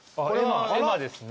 絵馬ですね。